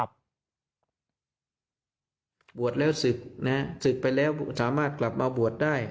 บวชแล้วบวชแล้วศึกนะฮะศึกศึกไปแล้วสามารถกลับมาบวชได้